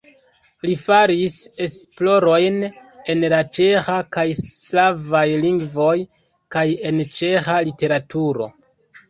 Li faris esplorojn en la ĉeĥa kaj slavaj lingvoj kaj en ĉeĥa literaturo.